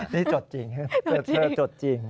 นี่จดจริงจดจริง